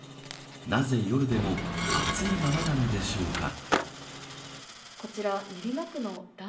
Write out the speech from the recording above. なぜ夜でも熱いままなのでしょうか。